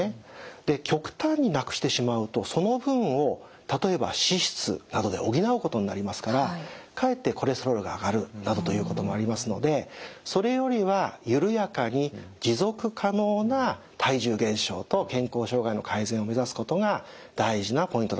で極端に無くしてしまうとその分を例えば脂質などで補うことになりますからかえってコレステロールが上がるなどということもありますのでそれよりはゆるやかに持続可能な体重減少と健康障害の改善を目指すことが大事なポイントだと思います。